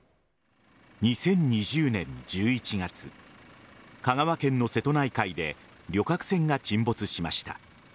２０２０年１１月香川県の瀬戸内海で旅客船が沈没しました。